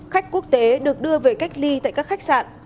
khách quốc tế được đưa về cách ly tại các khách sạn